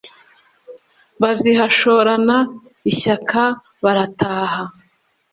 bazihashorana ishyaka barataha .